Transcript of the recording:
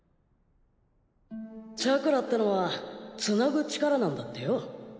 チャクラってのはつなぐ力なんだってよ。